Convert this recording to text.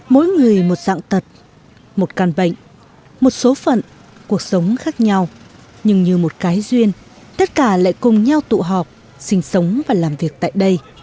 mỗi người một dạng tật một căn bệnh một số phận cuộc sống khác nhau nhưng như một cái duyên tất cả lại cùng nhau tụ họp sinh sống và làm việc tại đây